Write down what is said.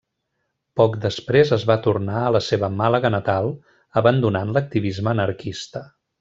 Poc després es va tornar a la seva Màlaga natal, abandonant l'activisme anarquista.